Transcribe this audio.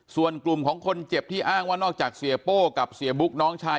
ส่วนกลุ่มของคนเจ็บที่อ้างว่านอกจากเสียโป้กับเสียบุ๊กน้องชาย